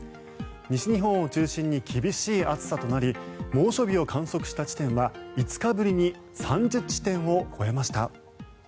西日本を中心に厳しい暑さとなり猛暑日を観測した地点は５日ぶりに３０地点を超えました。